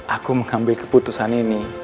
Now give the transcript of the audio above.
aku mengambil keputusan ini